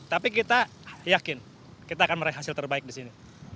tapi kita yakin kita akan meraih hasil terbaik di sini